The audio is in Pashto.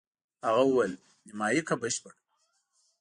هغه وویل: نیمایي که بشپړ؟